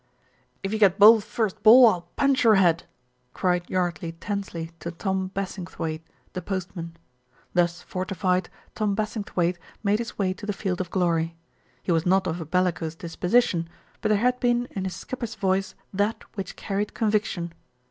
"If you get bowled first ball, I'll punch your head," cried Yardley tensely to Tom Bassingthwaighte, the postman. Thus fortified, Tom Bassingthwaighte made his way to the field of glory. He was not of a bellicose disposi tion; but there had been in his skipper's voice that which carried conviction.